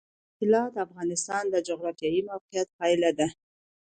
طلا د افغانستان د جغرافیایي موقیعت پایله ده.